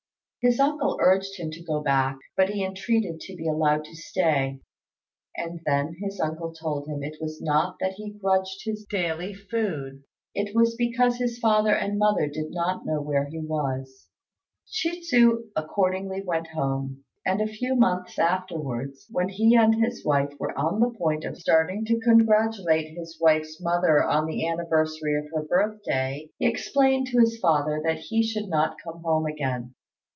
His uncle urged him to go back, but he entreated to be allowed to stay; and then his uncle told him it was not that he grudged his daily food: it was because his father and mother did not know where he was. Chi tsu accordingly went home, and a few months afterwards, when he and his wife were on the point of starting to congratulate his wife's mother on the anniversary of her birthday, he explained to his father that he should not come home again.